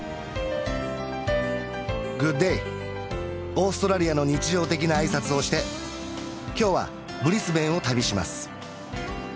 オーストラリアの日常的な挨拶をして今日はブリスベンを旅します